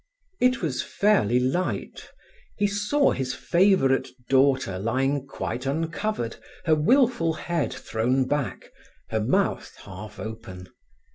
It was fairly light. He saw his favourite daughter lying quite uncovered, her wilful head thrown back, her mouth half open.